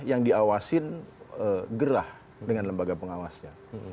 yang diawasin gerah dengan lembaga pengawasnya